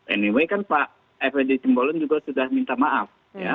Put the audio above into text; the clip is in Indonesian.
anyway kan pak fwd timbulun juga sudah minta maaf